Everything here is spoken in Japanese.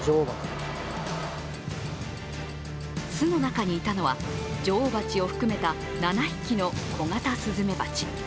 巣の中にいたのは女王蜂を含めた７匹のコガタスズメバチ。